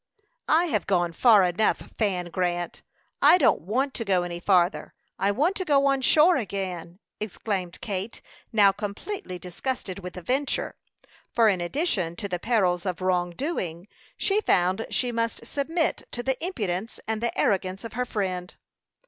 "I have gone far enough, Fan Grant; I don't want to go any farther: I want to go on shore again!" exclaimed Kate, now completely disgusted with the venture, for in addition to the perils of wrong doing, she found she must submit to the impudence and the arrogance of her friend.